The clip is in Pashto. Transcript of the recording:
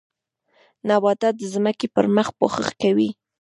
نباتات د ځمکې پر مخ پوښښ کوي